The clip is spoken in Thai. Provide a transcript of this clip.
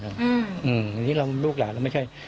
อืมอันนี้เรามันลูกหลานเราไม่ใช่